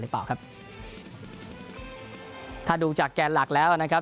หรือเปล่าครับถ้าดูจากแกนหลักแล้วนะครับ